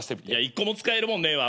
１個も使えるもんねえわ。